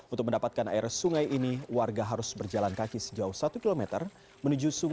untuk mendapatkan air sungai ini warga harus berjalan kaki sejauh satu km